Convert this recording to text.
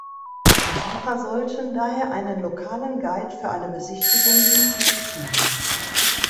Besucher sollten daher einen lokalen Guide für eine Besichtigung hinzuziehen.